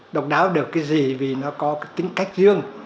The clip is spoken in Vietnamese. độc đáo được cái gì vì nó có tính cách dương